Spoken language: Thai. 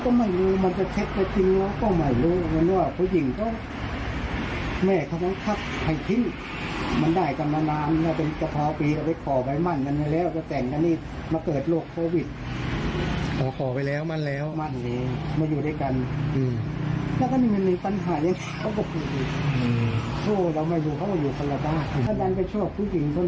นี่เป็นข้อมูลที่ได้นะคะจากฝ่าฝั่งครอบครัวของผู้ที่ก่อเหตุ